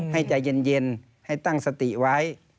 ให้ใจเย็นให้ตั้งสติไว้